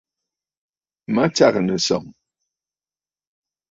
Matsàgə̀ nɨ̀sɔ̀ŋ.